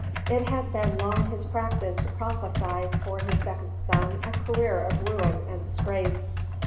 It had been long his practice to prophesy for his second son a career of ruin and disgrace.